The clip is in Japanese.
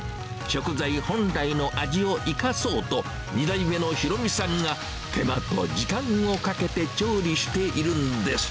食材本来の味を生かそうと、２代目の裕美さんが手間と時間をかけて調理しているんです。